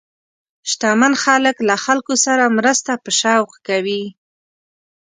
شتمن خلک له خلکو سره مرسته په شوق کوي.